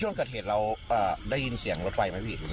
ช่วงเกิดเหตุเราได้ยินเสียงรถไฟไหมพี่